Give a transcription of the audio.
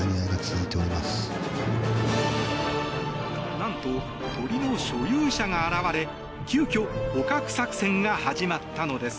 何と、鳥の所有者が現れ急きょ、捕獲作戦が始まったのです。